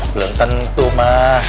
belum tentu mah